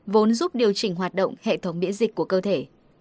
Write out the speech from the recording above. vốn giúp điều chỉnh hoạt động hệ thống biễ dịch của cơ thể